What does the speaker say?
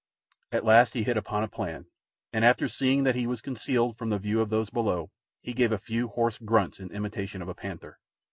At last he hit upon a plan, and after seeing that he was concealed from the view of those below, he gave a few hoarse grunts in imitation of a panther.